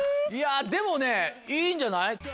でもねいいんじゃない？